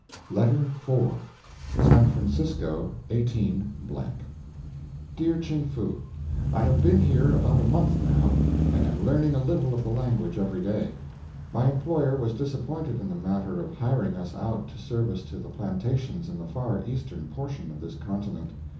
LETTER IV SAN FRANCISCO, 18 . DEAR CHING FOO: I have been here about a month now, and am learning a little of the language every day. My employer was disappointed in the matter of hiring us out to service to the plantations in the far eastern portion of this continent.